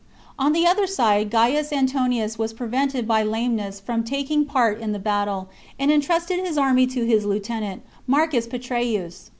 On the other side Gaius Antonius was prevented by lameness from taking part in the battle, and entrusted his army to his Heutenant, Marcus Petreius.